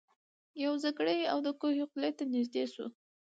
یو اوزګړی د کوهي خولې ته نیژدې سو